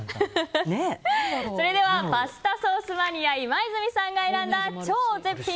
それではパスタソースマニア今泉さんが選んだ超絶品！